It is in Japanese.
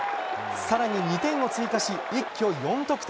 更に２点を追加し一挙４得点。